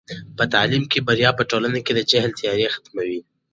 په تعلیم کې بریا په ټولنه کې د جهل تیارې ختموي.